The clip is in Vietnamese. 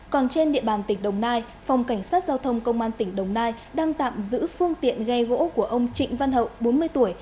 còn trên địa bàn tỉnh đồng nai phòng cảnh sát giao thông công an tỉnh đồng nai đang tạm giữ phương tiện ghe gỗ của ông trịnh văn hậu bốn mươi tuổi